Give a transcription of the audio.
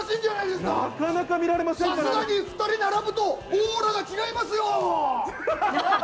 さすが２人並ぶとオーラが違いますよ！